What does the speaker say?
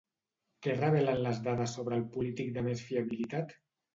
Què revelen les dades sobre el polític de més fiabilitat?